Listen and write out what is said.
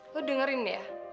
lo dengerin ya